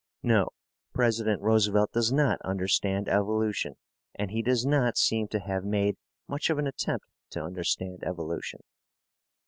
No, President Roosevelt does not understand evolution, and he does not seem to have made much of an attempt to understand evolution.